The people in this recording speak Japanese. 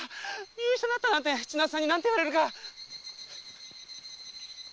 見失ったなんて千奈津さんに何て言われるか！